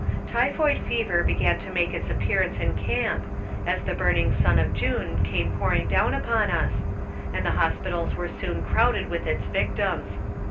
Typhoid fever began to make its appearance in camp, as the burning sun of June came pouring down upon us, and the hospitals were soon crowded with its victims.